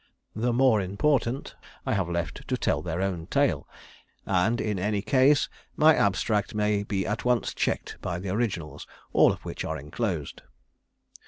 The more important I have left to tell their own tale, and, in any case, my abstract may be at once checked by the originals, all of which are enclosed.